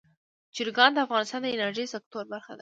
چرګان د افغانستان د انرژۍ سکتور برخه ده.